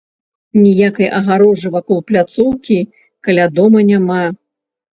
Ніякай агароджы вакол пляцоўкі каля дома няма.